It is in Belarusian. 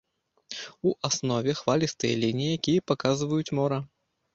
У аснове хвалістыя лініі, якія паказваюць мора.